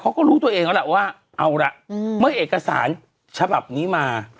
เค้าก็รู้ตัวเองว่าเอาละอืมเอกสารฉบับนี้มา